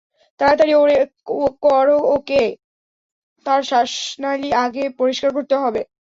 তাড়াতাড়ি করো ওকে, তার শ্বাসনালী আগে পরিষ্কার করতে হবে।